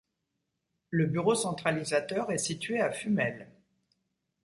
Le bureau centralisateur est situé à Fumel.